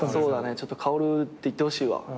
ちょっと「薫」って言ってほしいわ。